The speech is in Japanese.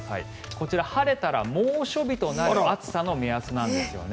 こちら、晴れたら猛暑日となる暑さの目安なんですよね。